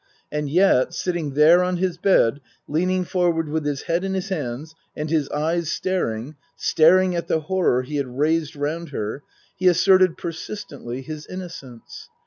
And yet, sitting there on his bed, leaning forward with his head in his hands and his eyes staring, staring at the horror he had raised round her, he asserted persistently his innocence.